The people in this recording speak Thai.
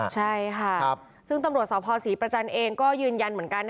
ใช่ค่ะซึ่งตำรวจสภศรีประจันทร์เองก็ยืนยันเหมือนกัน